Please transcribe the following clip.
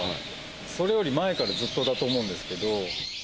それより前からずっとだと思うんですけど。